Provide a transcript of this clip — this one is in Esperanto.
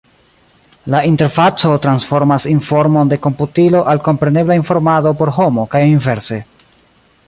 La interfaco transformas informon de komputilo al komprenebla informado por homo, kaj inverse.